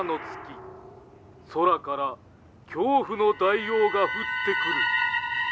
空から恐怖の大王が降ってくる」。